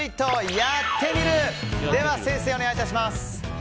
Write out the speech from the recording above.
「やってみる。」では先生、お願いいたします。